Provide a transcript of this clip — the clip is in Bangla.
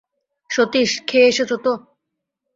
সতীশ, খেয়ে এসেছ তো?